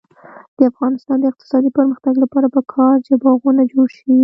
د افغانستان د اقتصادي پرمختګ لپاره پکار ده چې باغونه جوړ شي.